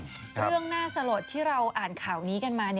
เรื่องน่าสลดที่เราอ่านข่าวนี้กันมา